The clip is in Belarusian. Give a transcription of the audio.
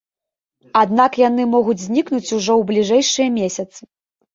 Аднак яны могуць знікнуць ужо ў бліжэйшыя месяцы.